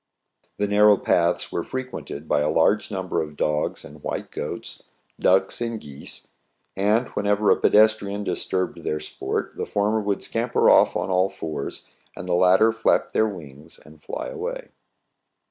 The narrow paths were fre quented by a large number of dogs and white goats, ducks and geese ; and, whenever a pedes trian disturbed their sport, the former would scamper off on all fours, and the latter flap their wings and fly away.